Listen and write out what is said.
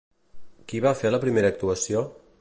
Qui va fer la primera actuació?